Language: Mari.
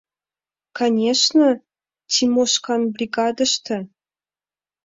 Конешне, Тимошкан бригадыште!